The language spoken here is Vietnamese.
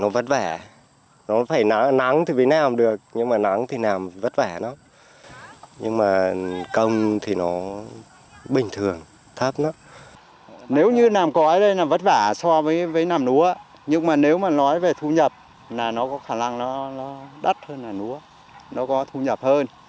với nằm lúa nhưng mà nếu mà nói về thu nhập là nó có khả năng nó đắt hơn là lúa nó có thu nhập hơn